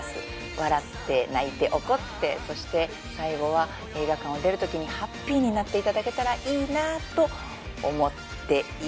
笑って泣いて怒ってそして最後は映画館を出るときにハッピーになっていただけたらいいなと思っています